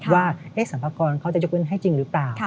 ว่าสรรพากรเขาจะยกเว้นให้จริงหรือเปล่า